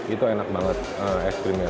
itu enak banget es krimnya